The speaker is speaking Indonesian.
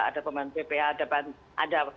ada pemain bpa ada